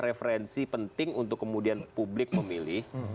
referensi penting untuk kemudian publik memilih